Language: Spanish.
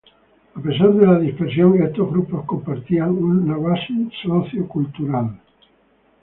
A pesar de su dispersión, estos grupos compartían una base socio cultural.